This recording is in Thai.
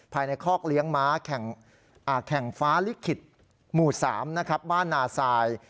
ภายในคอกเลี้ยงม้าแข่งฟ้าลิขิตหมู่๓บ้านนาซาย